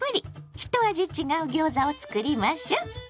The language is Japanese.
一味違うギョーザを作りましょ。